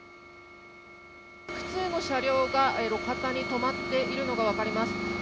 複数の車両が、路肩に止まっているのが分かります。